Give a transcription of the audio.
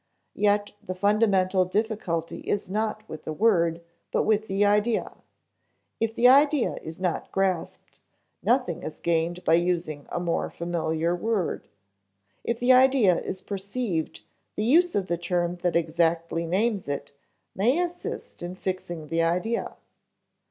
Yet the fundamental difficulty is not with the word, but with the idea. If the idea is not grasped, nothing is gained by using a more familiar word; if the idea is perceived, the use of the term that exactly names it may assist in fixing the idea.